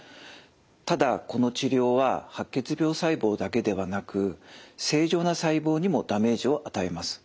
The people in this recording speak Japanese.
ただこの治療は白血病細胞だけではなく正常な細胞にもダメージを与えます。